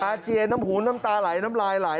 เจียนน้ำหูน้ำตาไหลน้ำลายไหล